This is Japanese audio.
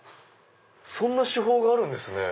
そんな手法があるんですね。